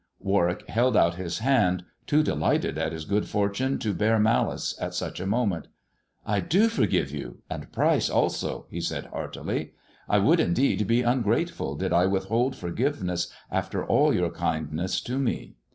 Warwick held out his hand, too delighted at his good fortune to bear malice at such a moment. "I do forgive you, and Pryce also," he said heartily. " I would indeed be ungrateful did I withhold forgiveness after all your kindness to me."